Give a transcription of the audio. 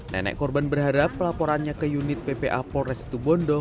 nenek korban berharap laporannya ke unit ppa polres situbondo